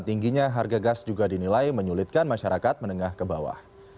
tingginya harga gas juga dinilai menyulitkan masyarakat menengah ke bawah